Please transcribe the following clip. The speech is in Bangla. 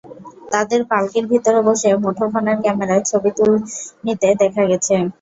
তাঁদের পালকির ভেতরে বসে মুঠোফোনের ক্যামেরায় ছবি তুলে নিতে দেখা গেছে।